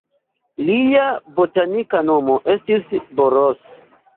Lia botanika nomo estis "Boros".